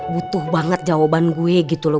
butuh banget jawaban gue gitu loh